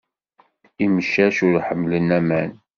Imcac ur ḥemmlen aman.